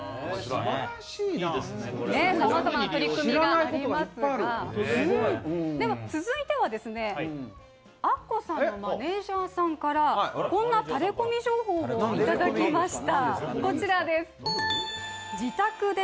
さまざまな取り組みありますが、続いては、アッコさんのマネージャーさんから、こんなタレコミ情報をいただきました。